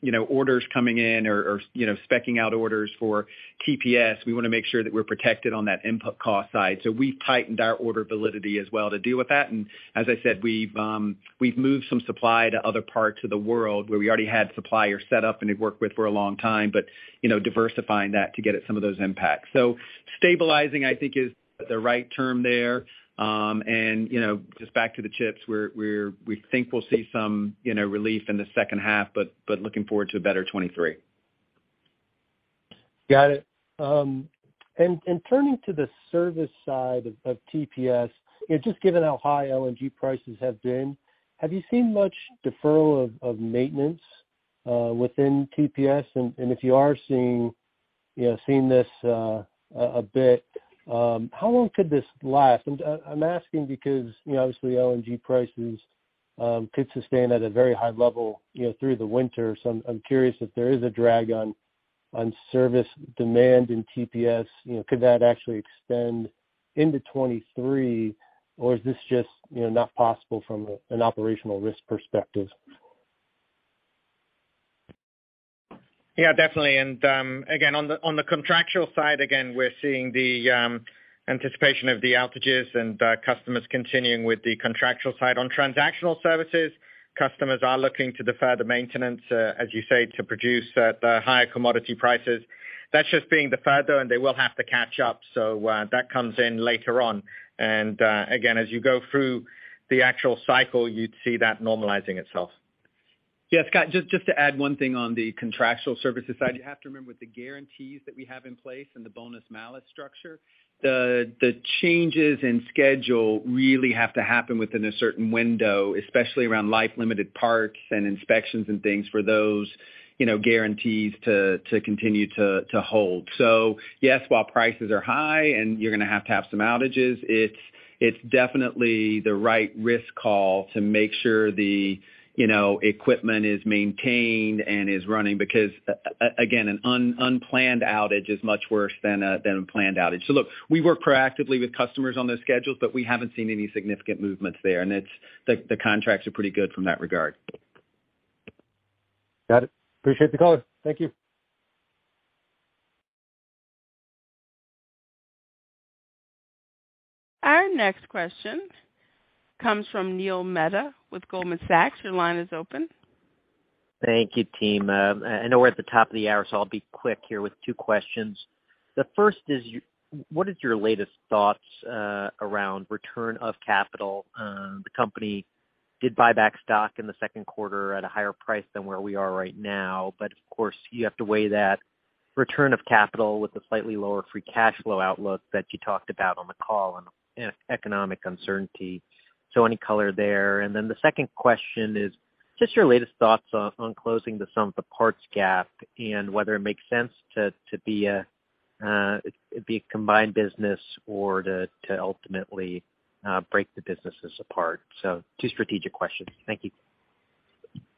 you know, orders coming in or, you know, speccing out orders for TPS, we wanna make sure that we're protected on that input cost side. We've tightened our order validity as well to deal with that. As I said, we've moved some supply to other parts of the world where we already had suppliers set up and had worked with for a long time, but, you know, diversifying that to get at some of those impacts. Stabilizing, I think, is the right term there. And, you know, just back to the chips, we think we'll see some, you know, relief in the second half, but looking forward to a better 2023. Got it. Turning to the service side of TPS, you know, just given how high LNG prices have been, have you seen much deferral of maintenance within TPS? If you are seeing this a bit, how long could this last? I'm asking because, you know, obviously LNG prices could sustain at a very high level, you know, through the winter. I'm curious if there is a drag on service demand in TPS, you know, could that actually extend into 2023, or is this just, you know, not possible from an operational risk perspective? Yeah, definitely. Again, on the contractual side, again, we're seeing the anticipation of the outages and customers continuing with the contractual side. On transactional services, customers are looking to defer the maintenance, as you say, to produce at the higher commodity prices. That's just being deferred though, and they will have to catch up. That comes in later on. Again, as you go through the actual cycle, you'd see that normalizing itself. Yeah, Scott, just to add one thing on the contractual services side. You have to remember with the guarantees that we have in place and the bonus-malus structure, the changes in schedule really have to happen within a certain window, especially around life-limited parts and inspections and things for those, you know, guarantees to continue to hold. Yes, while prices are high and you're gonna have to have some outages, it's definitely the right risk call to make sure the, you know, equipment is maintained and is running, because again, an unplanned outage is much worse than a planned outage. Look, we work proactively with customers on those schedules, but we haven't seen any significant movements there, and it's the contracts are pretty good in that regard. Got it. Appreciate the color. Thank you. Our next question comes from Neil Mehta with Goldman Sachs. Your line is open. Thank you, team. I know we're at the top of the hour, so I'll be quick here with two questions. The first is what is your latest thoughts around return of capital? The company did buy back stock in the second quarter at a higher price than where we are right now, but of course, you have to weigh that return of capital with the slightly lower free cash flow outlook that you talked about on the call and economic uncertainty. Any color there? The second question is just your latest thoughts on closing the sum of the parts gap and whether it makes sense to be a combined business or to ultimately break the businesses apart. Two strategic questions. Thank you.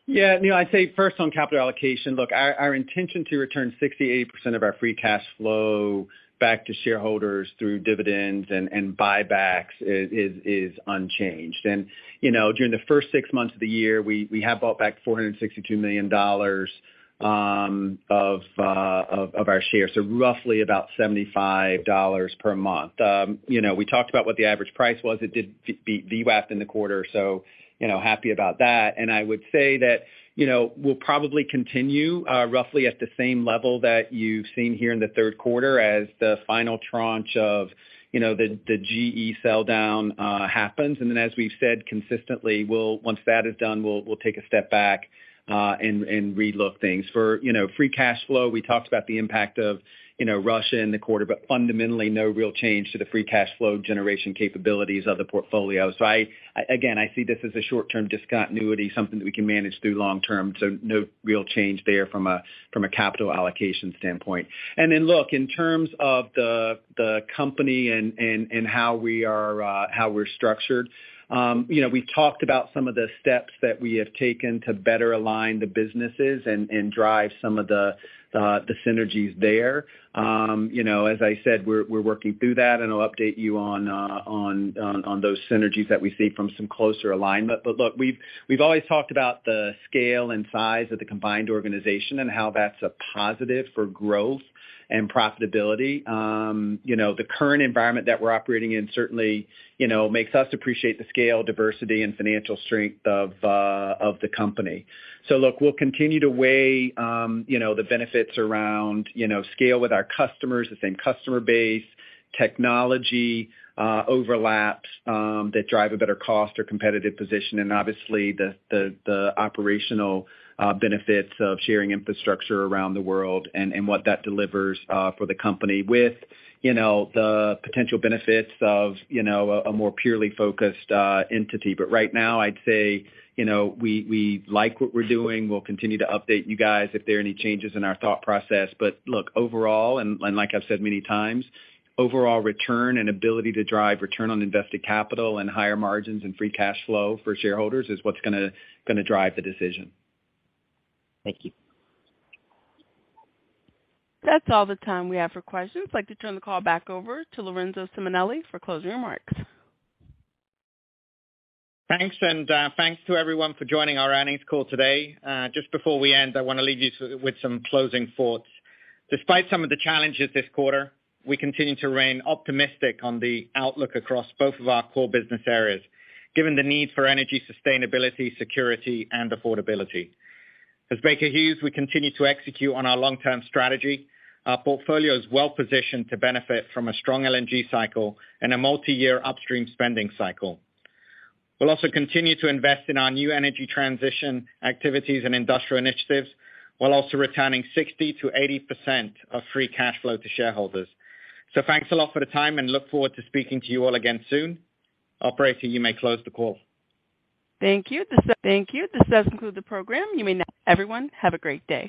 Yeah, Neil, I'd say first on capital allocation. Look, our intention to return 68% of our free cash flow back to shareholders through dividends and buybacks is unchanged. You know, during the first six months of the year, we have bought back $462 million of our shares, so roughly about $75 million per month. You know, we talked about what the average price was. It did beat VWAP in the quarter, so you know, happy about that. I would say that you know, we'll probably continue roughly at the same level that you've seen here in the third quarter as the final tranche of the GE sell down happens. As we've said consistently, once that is done, we'll take a step back and re-look things. For you know free cash flow, we talked about the impact of you know Russia in the quarter, but fundamentally no real change to the free cash flow generation capabilities of the portfolio. I again see this as a short-term discontinuity, something that we can manage through long term, so no real change there from a capital allocation standpoint. Look, in terms of the company and how we're structured, you know, we've talked about some of the steps that we have taken to better align the businesses and drive some of the synergies there. You know, as I said, we're working through that and I'll update you on those synergies that we see from some closer alignment. Look, we've always talked about the scale and size of the combined organization and how that's a positive for growth and profitability. You know, the current environment that we're operating in certainly makes us appreciate the scale, diversity and financial strength of the company. Look, we'll continue to weigh, you know, the benefits around, you know, scale with our customers, the same customer base, technology, overlaps, that drive a better cost or competitive position and obviously the operational benefits of sharing infrastructure around the world and what that delivers, for the company with, you know, the potential benefits of, you know, a more purely focused entity. Right now I'd say, you know, we like what we're doing. We'll continue to update you guys if there are any changes in our thought process. Look, overall, and like I've said many times, overall return and ability to drive return on invested capital and higher margins and free cash flow for shareholders is what's gonna drive the decision. Thank you. That's all the time we have for questions. I'd like to turn the call back over to Lorenzo Simonelli for closing remarks. Thanks, thanks to everyone for joining our earnings call today. Just before we end, I wanna leave you with some closing thoughts. Despite some of the challenges this quarter, we continue to remain optimistic on the outlook across both of our core business areas, given the need for energy sustainability, security and affordability. As Baker Hughes, we continue to execute on our long-term strategy. Our portfolio is well positioned to benefit from a strong LNG cycle and a multi-year upstream spending cycle. We'll also continue to invest in our new energy transition activities and industrial initiatives, while also returning 60%-80% of free cash flow to shareholders. Thanks a lot for the time and look forward to speaking to you all again soon. Operator, you may close the call. Thank you. This does conclude the program. You may now, everyone, have a great day.